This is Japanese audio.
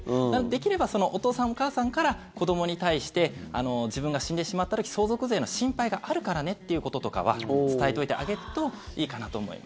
できれば、お父さんお母さんから子どもに対して自分が死んでしまった時相続税の心配があるからねっていうこととかは伝えておいてあげるといいかなと思います。